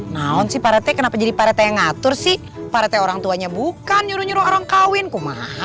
bestimmpakan emong aja t t porqueienne mengatur si partee orang tuanya bukan nyuruh orang kawin koma